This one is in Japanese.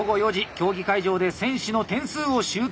競技会場で選手の点数を集計。